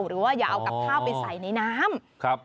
หรือว่าอย่าเอากับข้าวไปใส่ในน้ำ